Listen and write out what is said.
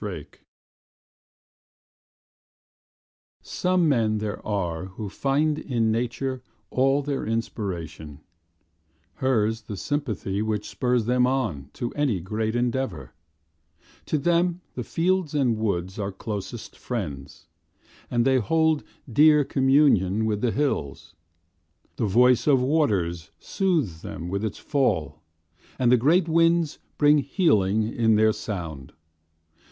Summer Some men there are who find in nature all Their inspiration, hers the sympathy Which spurs them on to any great endeavor, To them the fields and woods are closest friends, And they hold dear communion with the hills; The voice of waters soothes them with its fall, And the great winds bring healing in their sound.